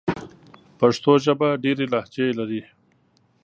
پښتو ژبه ډېري لهجې لري.